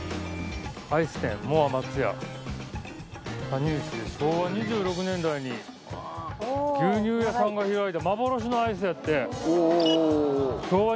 「羽生市で昭和２６年代に牛乳屋さんが開いた幻のアイス」やって。